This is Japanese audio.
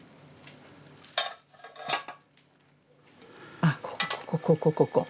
あっここここここ。